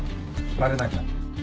バレなきゃ。